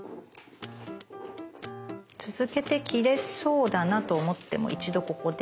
続けて切れそうだなと思っても一度ここで。